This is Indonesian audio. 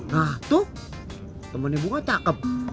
hah tuh temennya bunga cakep